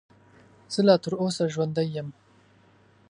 زه لا تر اوسه ژوندی یم .